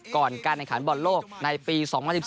ก่อนการแข่งขันบอลโลกในปี๒๐๑๔